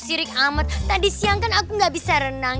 si rik amat tadi siang kan aku gak bisa renang